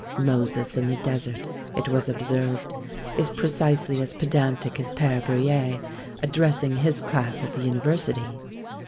Moses in the desert, it was observed, is precisely as pedantic as PÃẀre Berruyer addressing his class at the university.